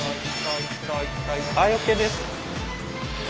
はいＯＫです。